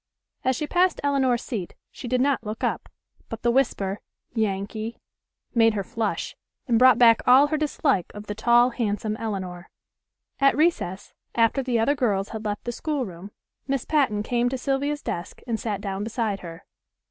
As she passed Elinor's seat she did not look up, but the whisper, "Yankee," made her flush, and brought back all her dislike of the tall, handsome Elinor. At recess, after the other girls had left the schoolroom, Miss Patten came to Sylvia's desk and sat down beside her.